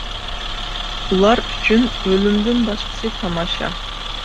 ئۇلار ئۈچۈن ئۆلۈمدىن باشقىسى تاماشا.